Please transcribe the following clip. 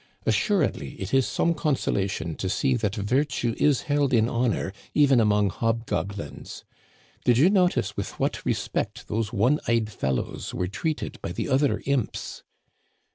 Assur edly, it is some consolation to see that virtue is held in honor even among hobgoblins. Did you notice with what respect those one eyed fellows were treated by the other imps